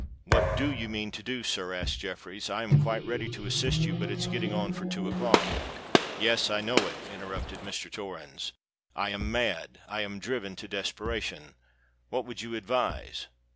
"What do you mean to do, sir?" asked Jeffreys. "I am quite ready to assist you; but it's getting on for two o'clock——" "Yes, I know it," interrupted Mr. Torrens. "I am mad—I am driven to desperation! What would you advise?